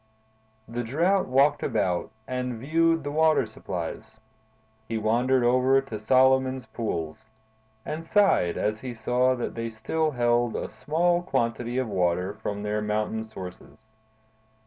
The Drought walked about and viewed the water supplies. He wandered over to Solomon's Pools, and sighed as he saw that they still held a small quantity of water from their mountain sources.